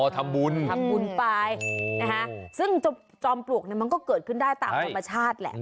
อ๋อทำบุญทำบุญปลายซึ่งจอมปลวกมันก็เกิดขึ้นได้ตามธรรมชาติแหละ